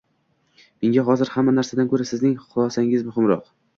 Menga hozir hamma narsadan ko`ra sizning xulosangiz muhimroq